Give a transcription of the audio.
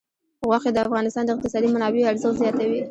غوښې د افغانستان د اقتصادي منابعو ارزښت زیاتوي.